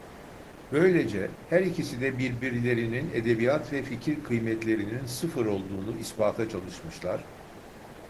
Böylece her ikisi de birbirlerinin edebiyat ve fikir kıymetlerinin sıfır olduğunu ispata çalışmışlar…